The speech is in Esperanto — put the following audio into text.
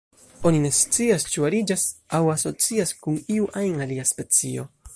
Oni ne scias ĉu ariĝas aŭ asocias kun iu ajn alia specio.